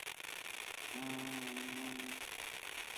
معاشرے کو اس حوالے سے راہنمائی کی اشد ضرورت ہے۔